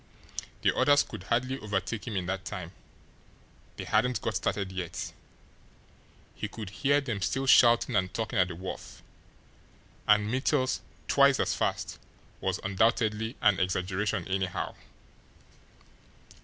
The others could hardly overtake him in that time they hadn't got started yet. He could hear them still shouting and talking at the wharf. And Mittel's "twice as fast" was undoubtedly an exaggeration, anyhow.